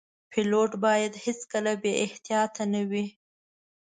پیلوټ باید هیڅکله بې احتیاطه نه وي.